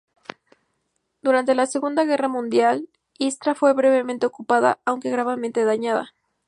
Durante la Segunda Guerra Mundial, Istra fue brevemente ocupada, aunque gravemente dañada.